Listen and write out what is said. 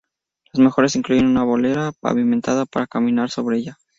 Las mejoras incluyeron una "bolera" pavimentada para poder caminar sobre ella.